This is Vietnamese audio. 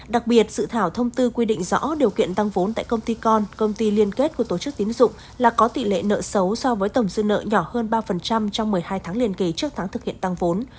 đặc biệt dự thảo thông tư quy định rõ điều kiện tăng vốn tại công ty con công ty liên kết của tổ chức tín dụng là có tỷ lệ nợ xấu so với tổng dư nợ nhỏ hơn ba trong một mươi hai tháng liên kỳ trước tháng thực hiện tăng vốn